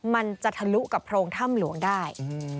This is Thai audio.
มันจะทะลุกับโพรงถ้ำหลวงได้